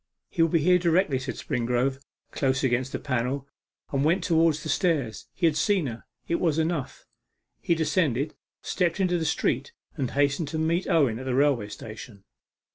'He will be here directly,' said Springrove, close against the panel, and then went towards the stairs. He had seen her; it was enough. He descended, stepped into the street, and hastened to meet Owen at the railway station.